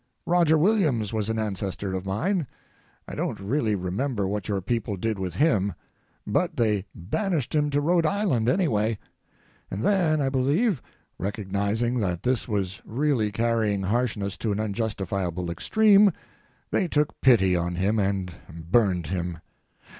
Roger Williams was an ancestor of mine. I don't really remember what your people did with him. But they banished him to Rhode Island, anyway. And then, I believe, recognizing that this was really carrying harshness to an unjustifiable extreme, they took pity on him and burned him.